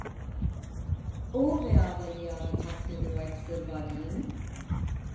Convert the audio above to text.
Ո՞վ է ավելի արագ հասնելու այդ սրվակին։